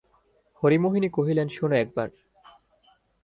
হরিমোহিনী কহিলেন, শোনো একবার!